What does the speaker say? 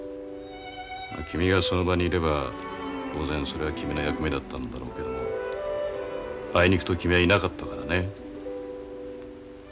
君がその場にいれば当然それは君の役目だったんだろうけどもあいにくと君はいなかったからね。